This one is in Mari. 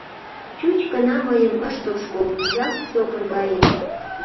Чуч гына мыйым ыш тошко, ялт сокыр гае...